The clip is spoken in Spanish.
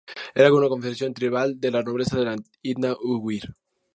Era una confederación tribal de la nobleza de la etnia uigur.